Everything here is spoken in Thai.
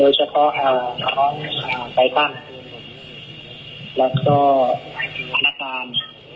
โดยเฉพาะไตรฟังแล้วก็ธรรมการ